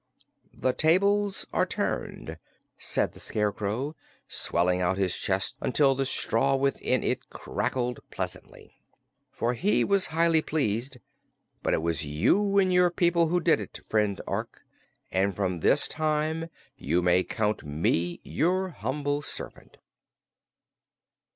"The tables are turned," said the Scarecrow, swelling out his chest until the straw within it crackled pleasantly, for he was highly pleased; "but it was you and your people who did it, friend Ork, and from this time you may count me your humble servant."